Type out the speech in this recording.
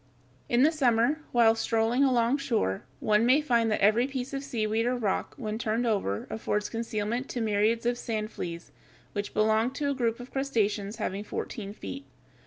] In the summer, while strolling alongshore, one may find that every piece of seaweed or rock when turned over affords concealment to myriads of "sand fleas" which belong to a group of crustaceans having fourteen feet.